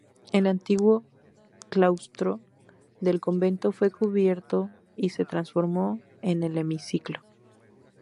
El antiguo claustro del convento fue cubierto y se transformó en el hemiciclo.